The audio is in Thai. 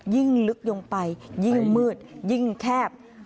ยิ่งลึกลงไปยิ่งมืดยิ่งแคบ